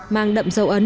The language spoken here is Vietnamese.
mang đậm dấu ấn